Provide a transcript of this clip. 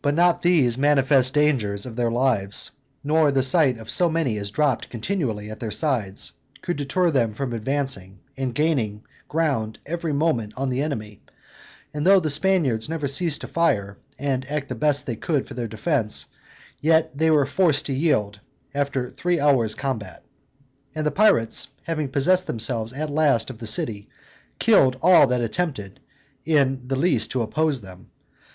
But not these manifest dangers of their lives, nor the sight of so many as dropped continually at their sides, could deter them from advancing, and gaining ground every moment on the enemy; and though the Spaniards never ceased to fire, and act the best they could for their defense, yet they were forced to yield, after three hours' combat. And the pirates having possessed themselves at last of the city, killed all that attempted in the least to oppose them.